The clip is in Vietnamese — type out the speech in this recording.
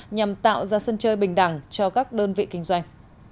nhằm tạo ra sân chơi bình đẳng cho các đơn vị kinh doanh